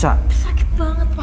sakit banget pak